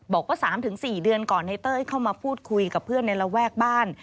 บอกว่า๓๔เดือนก่อนในเต้ยเข้ามาพูดคุยกับเพื่อนในระแวกบ้าน